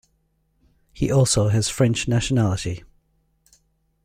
He also has French nationality.